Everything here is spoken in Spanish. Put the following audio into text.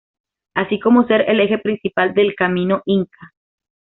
Así como ser el eje principal del camino inca.